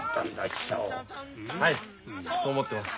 そう思ってます。